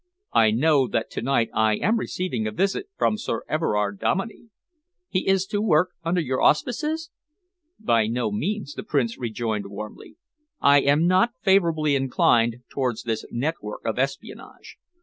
"I know that to night I am receiving a visit from Sir Everard Dominey." "He is to work under your auspices?" "By no means," the Prince rejoined warmly. "I am not favourably inclined towards this network of espionage.